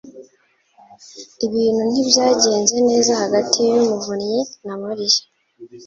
Ibintu ntibyagenze neza hagati ya Muvunnyi na Mariya